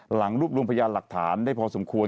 รวบรวมพยานหลักฐานได้พอสมควร